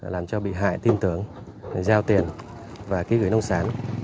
làm cho bị hại tin tưởng giao tiền và ký gửi nông sản